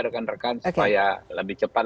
rekan rekan supaya lebih cepat